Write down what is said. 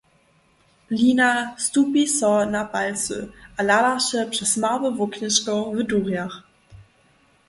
Lina stupi so na palcy a hladaše přez małe woknješko w durjach.